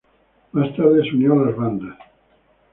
Más tarde se unió a las bandas No.